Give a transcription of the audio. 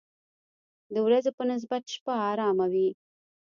د ورځې په نسبت شپه آرامه وي.